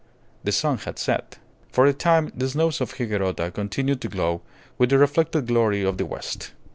The sun had set. For a time the snows of Higuerota continued to glow with the reflected glory of the west.